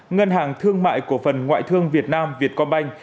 ngân hàng thương mại của phần ngoại thương việt nam việtcombank